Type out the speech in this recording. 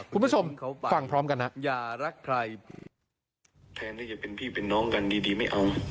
คุณผู้ชมฟังพร้อมกันนะ